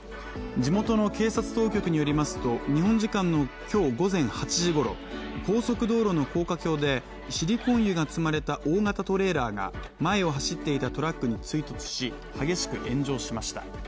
地元の警察当局によりますと日本時間の今日午前８時ごろ、高速道路の高架橋でシリコン油が積まれた大型トレーラーが前を走っていたトラックに追突し、激しく炎上しました。